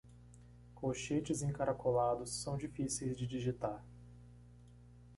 Colchetes encaracolados são difíceis de digitar.